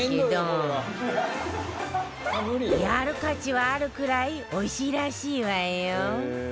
やる価値はあるくらいおいしいらしいわよ